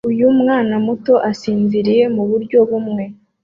Uyu mwana muto asinziriye muburyo bumwe